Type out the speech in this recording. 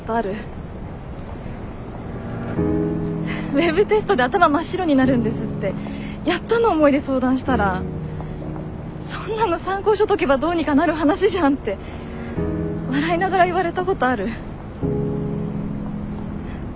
「ウェブテストで頭真っ白になるんです」ってやっとの思いで相談したら「そんなの参考書解けばどうにかなる話じゃん」って笑いながら言われたことある？